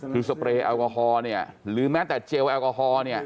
คือสเปรย์แอลกอฮอล์เนี่ยหรือแม้แต่เจลแอลกอฮอล์เนี่ย